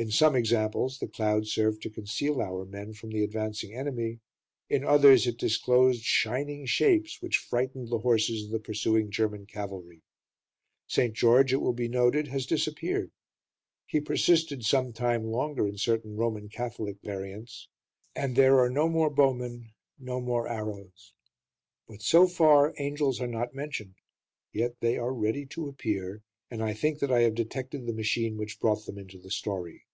In some examples the cloud served to conceal our men from the advancing enemy; in others, it disclosed shining shapes which frightened the horses of the pursuing German cavalry. St. George, it will he noted, has disappeared he persisted some time longer in certain Roman Catholic variants and there are no more bowmen, no more arrows. But so far angels are not mentioned; yet they are ready to appear, and I think that I have detected the machine which brought them into the story.